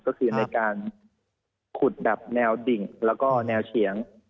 ก็คือในการขุดดับแนวดิ่งแล้วก็แนวเฉียง